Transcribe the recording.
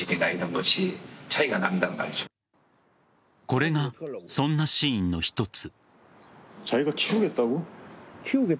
これがそんなシーンの一つ。